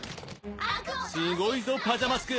すごいぞパジャマスク。